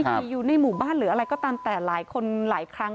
อยู่ในหมู่บ้านหรืออะไรก็ตามแต่หลายคนหลายครั้ง